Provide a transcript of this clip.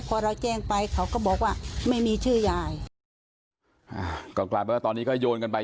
พอเราแจ้งไปเขาก็บอกว่าไม่มีชื่อยายอ่าก็กลายเป็นว่าตอนนี้ก็โยนกันไป